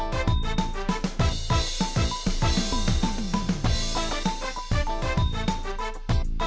ช่วงหน้ากลับปะลุ้นกันค่ะ